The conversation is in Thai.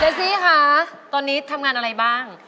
ซี่คะตอนนี้ทำงานอะไรบ้าง